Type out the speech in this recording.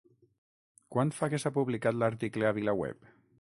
Quant fa que s'ha publicat l'article a VilaWeb?